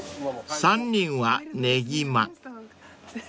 ［３人はねぎま］